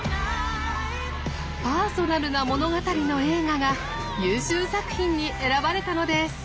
パーソナルな物語の映画が優秀作品に選ばれたのです！